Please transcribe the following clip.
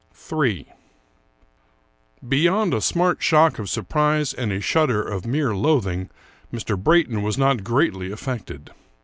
Ill Beyond a smart shock of surprise and a shudder of mere loathing, Mr. Brayton was not greatly affected.